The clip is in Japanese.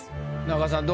中田さん